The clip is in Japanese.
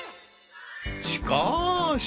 しかし！